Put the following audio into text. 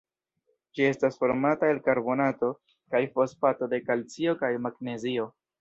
Ĝi estas formata el karbonato kaj fosfato de kalcio kaj magnezio.